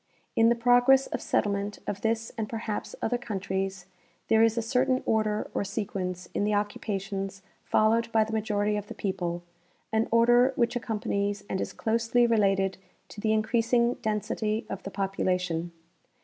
In the progress of settlement of this and perhaps other coun tries there is a certain order or sequence in the occupations fol lowed by the majority of the people, an order which accompanies and is closely related to the increasing density of the population.